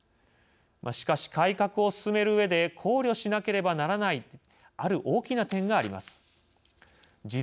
しかし、改革を進めるうえで考慮しなければならないある大きな点があります。